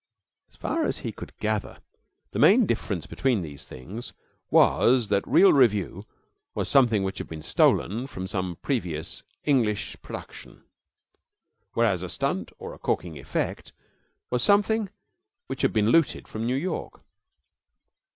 As far as he could gather, the main difference between these things was that real revue was something which had been stolen from some previous English production, whereas a stunt or a corking effect was something which had been looted from New York.